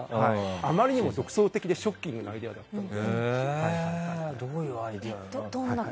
あまりにも独創的でショッキングなアイデアだったので。